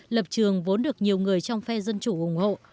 lập trường vốn được nhiều người trong phe dân chủ ủng hộ